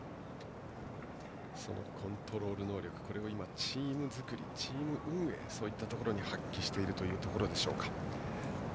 コントロール能力をチーム作りチーム運営、そういったところで発揮しているというところでしょうか。